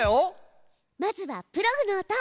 まずはプログの音。